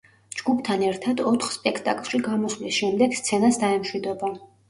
ჯგუფთან ერთად ოთხ სპექტაკლში გამოსვლის შემდეგ, სცენას დაემშვიდობა.